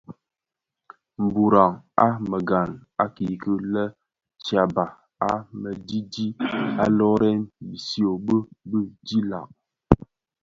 Mburag a meghan a kiki lè dyaba a mëdidi a lōōrèn bishyō bi bidilag.